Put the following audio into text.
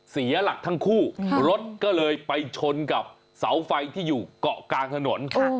เสียหลักทั้งคู่รถก็เลยไปชนกับเสาไฟที่อยู่เกาะกลางถนน